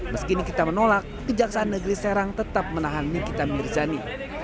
meski nikita menolak kejaksaan negeri serang tetap menahan nikita mirzani